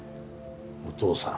お父さん。